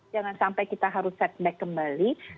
jangan sampai kita harus setback kembali